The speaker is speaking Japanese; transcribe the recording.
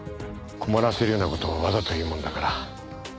困らせるような事をわざと言うものだから。